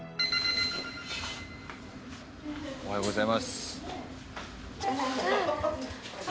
おはようございます。